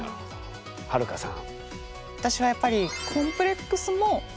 はるかさんは？